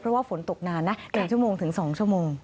เพราะว่าฝนตกนานนะ๑ชั่วโมงถึง๒ชั่วโมง